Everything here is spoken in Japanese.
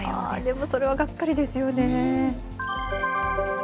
でも、それはがっかりですよね。